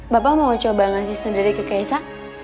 bapak mau coba ngasih sendiri ke kaisa